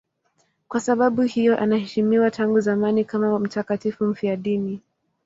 Kwa sababu hiyo anaheshimiwa tangu zamani kama mtakatifu mfiadini.